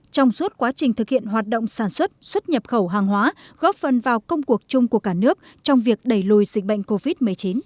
trong suốt quá trình thực hiện hoạt động sản xuất xuất nhập khẩu hàng hóa góp phần vào công cuộc chung của cả nước trong việc đẩy lùi dịch bệnh covid một mươi chín